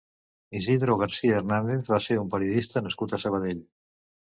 Isidro García Hernández va ser un periodista nascut a Sabadell.